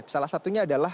salah satunya adalah